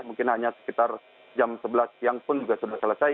mungkin hanya sekitar jam sebelas siang pun juga sudah selesai